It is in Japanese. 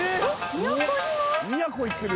宮古行ってる！